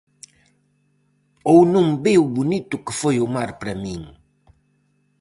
Ou non ve o bonito que foi o mar para min?